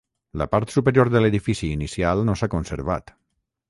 La part superior de l'edifici inicial no s'ha conservat.